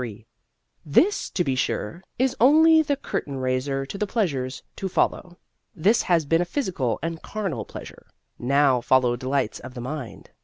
This, to be sure, is only the curtain raiser to the pleasures to follow. This has been a physical and carnal pleasure. Now follow delights of the mind.